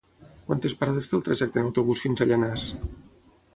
Quantes parades té el trajecte en autobús fins a Llanars?